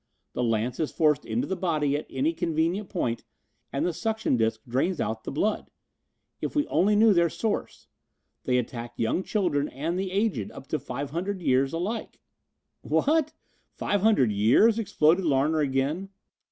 The lance is forced into the body at any convenient point, and the suction disk drains out the blood. If we only knew their source! They attack young children and the aged, up to five hundred years, alike." "What! Five hundred years?" exploded Larner again.